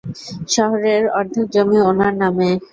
শহরেরর অর্ধেক জমি ওনার নামে!